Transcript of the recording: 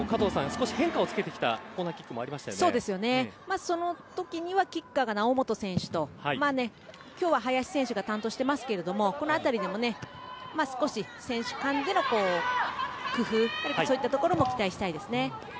少し変化をつけたその時にはキッカーが猶本選手と今日は林選手が担当していますけれどもこの辺りでも、少し選手間での工夫というところも期待したいですね。